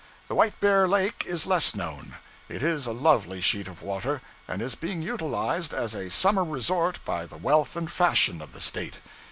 The White bear Lake is less known. It is a lovely sheet of water, and is being utilized as a summer resort by the wealth and fashion of the State.